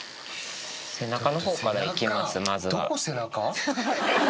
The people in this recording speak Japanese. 背中のほうからいきます、どこ背中？